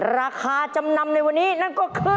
ราคาจำนำในวันนี้นั่นก็คือ